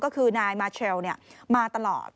ก็คือนายมาเชลมาตลอด